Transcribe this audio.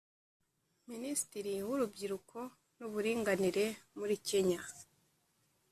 Minisitiri w’Urubyiruko n’Uburinganire muri Kenya